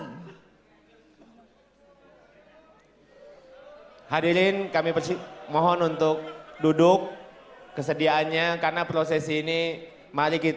hai hadirin kami mohon untuk duduk kesediaannya karena prosesi ini sudah berakhir